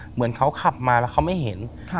เหมือนเขาขับมาแล้วเขาไม่เห็น